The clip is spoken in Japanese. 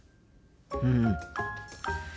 うん。